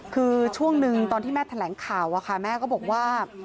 คือช่วงหนึ่งตอนที่แม่แถลงข่าวแม่ก็บอกว่า